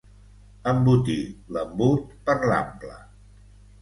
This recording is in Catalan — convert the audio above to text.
Embotir l'embut per l'ample.